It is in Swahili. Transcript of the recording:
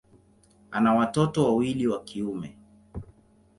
Ana watoto wawili wa kiume.